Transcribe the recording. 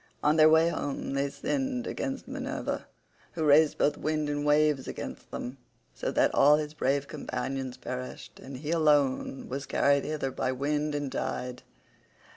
On their way home they sinned against Minerva,52 who raised both wind and waves against them, so that all his brave companions perished, and he alone was carried hither by wind and tide.